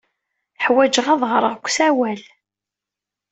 Ḥwajeɣ ad ɣreɣ deg usawal.